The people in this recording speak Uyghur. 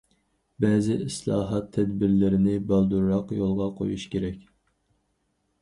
بەزى ئىسلاھات تەدبىرلىرىنى بالدۇرراق يولغا قويۇش كېرەك.